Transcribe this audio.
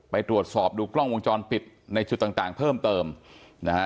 ไปตรวจสอบดูกล้องวงจรปิดในจุดต่างต่างเพิ่มเติมนะฮะ